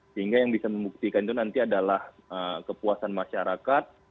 sehingga yang bisa membuktikan itu nanti adalah kepuasan masyarakat